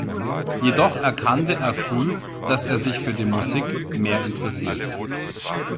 Jedoch erkannte er früh, dass er sich für die Musik mehr interessierte.